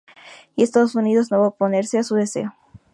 Y Estados Unidos no va a oponerse a su deseo".